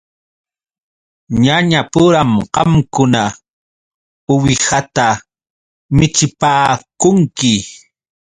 Ñañapuram qamkuna uwihata michipaakunki.